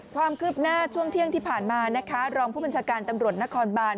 ความคืบหน้าช่วงเที่ยงที่ผ่านมานะคะรองผู้บัญชาการตำรวจนครบาน